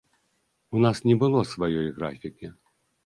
У нас не было сваёй графікі.